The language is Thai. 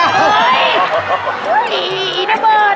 เงี้ยเบิร์ด